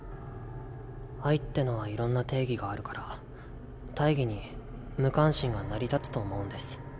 「愛」ってのはいろんな定義があるから対義に「無関心」が成り立つと思うんです。